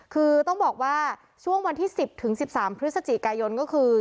คือต้องบอกว่าช่วงวันที่๑๐ถึง๑๓พฤศจิกายนก็คือ